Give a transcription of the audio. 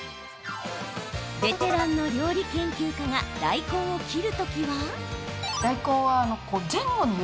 ベテランの料理研究家が大根を切る時は。